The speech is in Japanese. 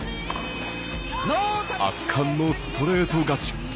圧巻のストレート勝ち。